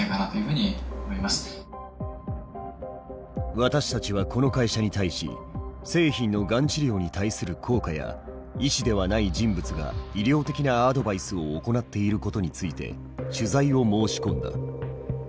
私たちはこの会社に対し製品のがん治療に対する効果や医師ではない人物が医療的なアドバイスを行っていることについて取材を申し込んだ。